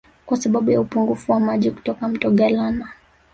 Kwa sababu ya upungufu wa maji kutoka Mto Galana